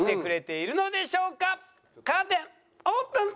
カーテンオープン！